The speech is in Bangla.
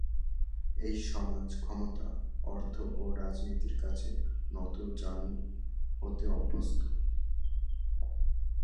এই সমাজ ক্ষমতা, অর্থ ও রাজনীতির কাছে নতজানু হতে অভ্যস্ত।